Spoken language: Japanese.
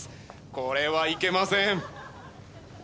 これはいけません。